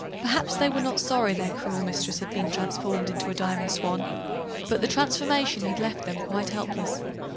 Perhaps they were not sorry their cruel mistress had been transformed into a Diamond Swan, but the transformation had left them quite helpless.